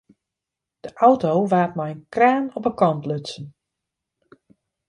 De auto waard mei in kraan op de kant lutsen.